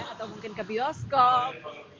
atau mungkin ke bioskop